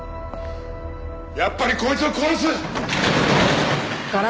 やっぱりこいつを殺す。